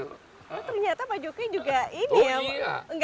ternyata pak jokowi juga ini ya